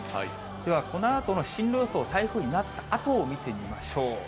では、このあとの進路予想、台風になったあとを見てみましょう。